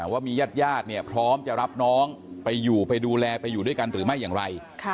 ว่ามีญาติญาติเนี่ยพร้อมจะรับน้องไปอยู่ไปดูแลไปอยู่ด้วยกันหรือไม่อย่างไร